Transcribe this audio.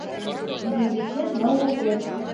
Идымвечет — ныл лукет